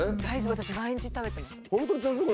私毎日食べてます。